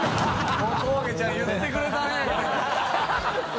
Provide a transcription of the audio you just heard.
小峠ちゃん言ってくれたね」みたいな。